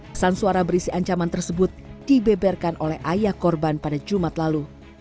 pesan suara berisi ancaman tersebut dibeberkan oleh ayah korban pada jumat lalu